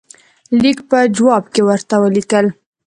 لیک په جواب کې ورته ولیکل.